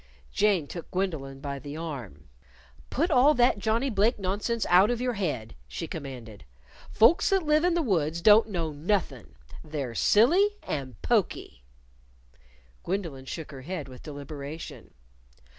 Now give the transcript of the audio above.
Jane took Gwendolyn by the arm. "Put all that Johnnie Blake nonsense out of your head," she commanded. "Folks that live in the woods don't know nothin'. They're silly and pokey." Gwendolyn shook her head with deliberation.